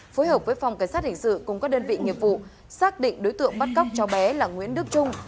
phối hợp với phòng cảnh sát hình sự cùng các đơn vị nghiệp vụ xác định đối tượng bắt cóc cháu bé là nguyễn đức trung